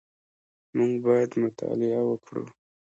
موږ باید مطالعه وکړو